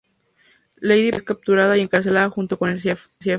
Lady Penelope es capturada y encarcelada junto con Jeff.